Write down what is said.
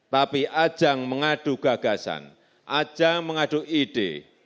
tapi ajang mengadu gagasan ajang mengadu ide